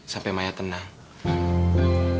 sampai maya tenang